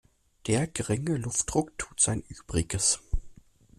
Der geringe Luftdruck tut sein Übriges.